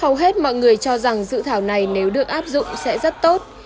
hầu hết mọi người cho rằng dự thảo này nếu được áp dụng sẽ rất tốt